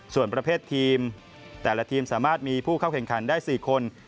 ส่วนประเภททีมแต่ละทีมสามารถมีผู้เข้าแข่งขันได้๔คน